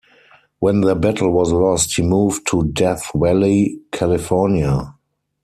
When their battle was lost, he moved to Death Valley, California.